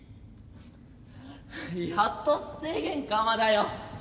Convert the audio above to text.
やっと制限緩和だよ。